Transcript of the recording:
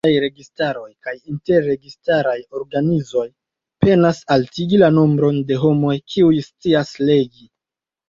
Multaj registaroj kaj inter-registaraj organizoj penas altigi la nombron de homoj kiuj scias legi.